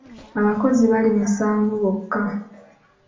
Abakozi baali musanvu bokka.